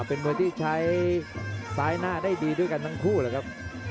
เป็นมวยที่ใช้ซ้ายหน้าได้ดีด้วยกันทั้งคู่เลยครับ